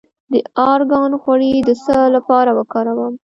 د ارګان غوړي د څه لپاره وکاروم؟